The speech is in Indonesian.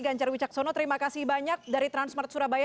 ganjar wicaksono terima kasih banyak dari transmart surabaya